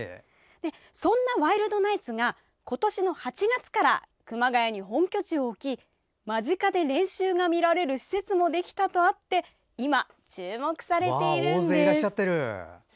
そんなワイルドナイツが今年の８月から熊谷に本拠地を置き間近で練習が見られる施設もできたとあって今、注目されているんです。